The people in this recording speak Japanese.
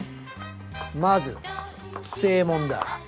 まず正門だ。